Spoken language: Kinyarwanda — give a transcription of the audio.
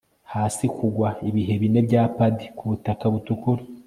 hasi kugwa ibihe bine bya padi kubutaka butukura